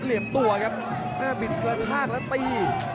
เหลียบตัวครับน่าจะเป็นกระชากแล้วตี